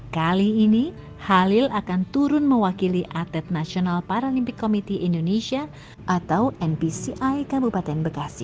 kali ini halil akan turun mewakili atlet nasional paralimpik komite indonesia atau npci kabupaten bekasi